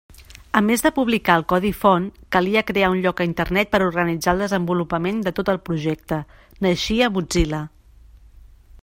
A més de publicar el codi font calia crear un lloc a Internet per organitzar el desenvolupament de tot el projecte: naixia Mozilla.